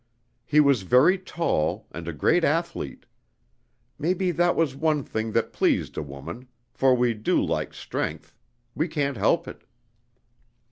He was very tall, and a great athlete. Maybe that was one thing that pleased a woman, for we do like strength we can't help it.